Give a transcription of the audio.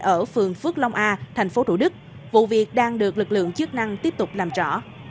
ở phường phước long a tp thủ đức vụ việc đang được lực lượng chức năng tiếp tục làm rõ